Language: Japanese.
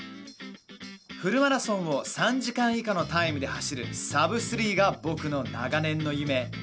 フルマラソンを３時間以下のタイムで走るサブ３が僕の長年の夢。